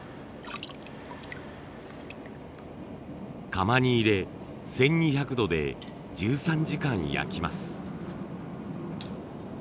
窯に入れ１，２００度で１３時間焼きます。